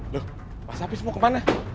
loh mas afif mau kemana